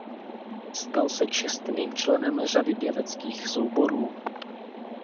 Stal se čestným členem řady pěveckých souborů.